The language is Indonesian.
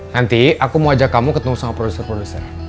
nanti aku mau ajak kamu ketemu sama produser produser